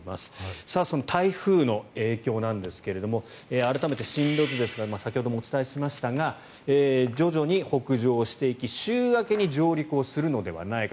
その台風の影響なんですがあらためて進路図ですが先ほどもお伝えしましたが徐々に北上していき週明けに上陸するのではないか。